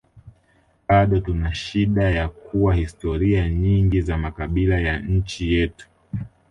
Bado tunashida ya kuwa historia nyingi za makabila ya nchi yetu